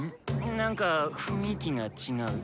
なんか雰囲気が違う。